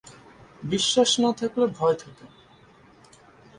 বিশ্বাস না থাকলে ভয় থাকে।